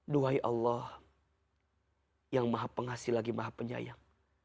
duhai allah yang maha pengasih lagi maha penyayang